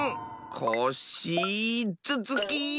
コッシーずつき！